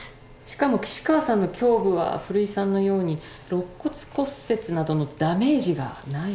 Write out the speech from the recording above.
しかも岸川さんの胸部は古井さんのように肋骨骨折などのダメージがないんです。